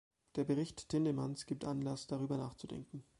Der Bericht Tindemans gibt Anlass, darüber nachzudenken.